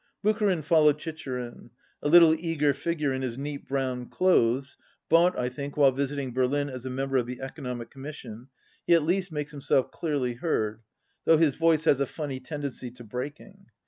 Bucharin followed Chicherin. A little eager figure in his neat brown clothes (bought, I think, while visiting Berlin as a member of the Economic Commission), he at least makes himself clearly heard, though his voice has a funny tendency to breaking.